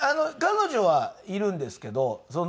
彼女はいるんですけど。